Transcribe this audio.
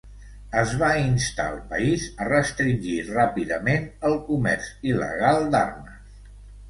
Es va instar el país a restringir ràpidament el comerç il·legal d'armes.